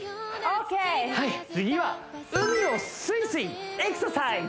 はい次は海をスイスイエクササイズ！